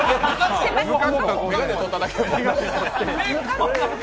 眼鏡とっただけ。